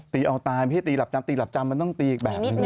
เอาตายไม่ใช่ตีหลับจำตีหลับจำมันต้องตีอีกแบบหนึ่ง